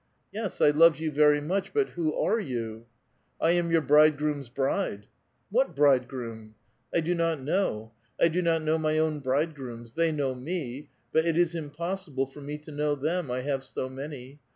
'* Yes ; I love you very much ; but who are you?" '• I am your bridegroom's bride I "'* What bridegroom ?"'* I do not kuow. 1 do not know my own bridegrooms. They know me ; but it is impossible for me to know them, I have so many